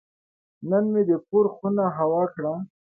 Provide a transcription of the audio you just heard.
نن مې د کور خونه هوا کړه.